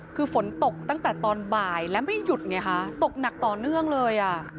คือฝนตกตั้งแต่ตอนบ่ายและไม่หยุดไงคะตกหนักต่อเนื่องเลยอ่ะ